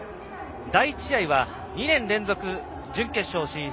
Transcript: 第１試合は２年連続準決勝進出